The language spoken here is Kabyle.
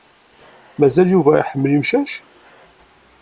Mazal Yuba iḥemmel imcac?